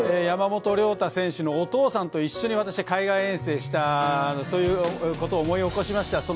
山本涼太選手のお父さんと一緒に私は海外遠征をしたことを思い出しました。